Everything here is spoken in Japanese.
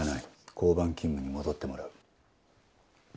交番勤務に戻ってもらう。